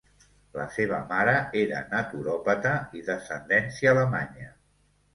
La seva mare era naturòpata i d'ascendència alemanya.